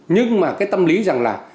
nhưng mà cái tâm lý rằng là